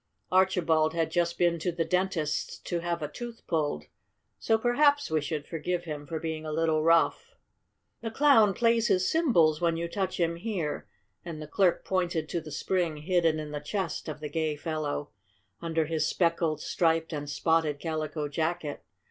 Archibald had just been to the dentist's to have a tooth pulled, so perhaps we should forgive him for being a little rough. "The Clown plays his cymbals when you touch him here," and the clerk pointed to the spring hidden in the chest of the gay fellow, under his speckled, striped and spotted calico jacket.